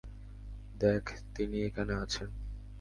দেখ, তিনি এখানে আছেন।